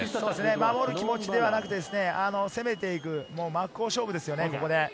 守る気持ちではなくて攻めていく、真っ向勝負ですね。